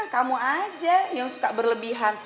kamu aja yang suka berlebihan